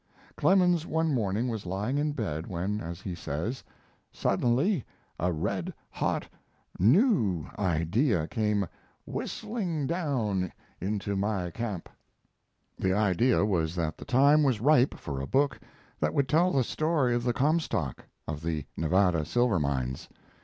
Clemens one morning was lying in bed when, as he says, "suddenly a red hot new idea came whistling down into my camp." The idea was that the time was ripe for a book that would tell the story of the Comstock of the Nevada silver mines.